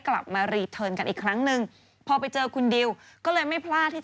เขามีธีมเป็นแบบเทพนิยายไม่ใช่แบบเทพกรีก